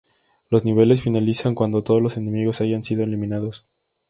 Los niveles finalizan cuando todos los enemigos hayan sido eliminados.